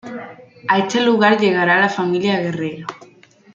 A este lugar llegará la familia Guerrero.